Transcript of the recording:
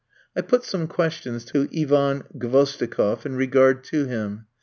I put some questions to Ivan Gvosdikof in regard to him.